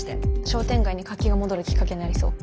商店街に活気が戻るきっかけになりそう。